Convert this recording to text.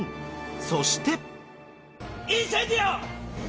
そしてインセンディオ！